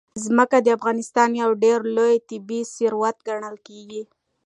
ځمکه د افغانستان یو ډېر لوی طبعي ثروت ګڼل کېږي.